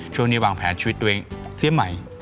ช่วงนี้วางแผนชีวิตตัวเองเสียใหม่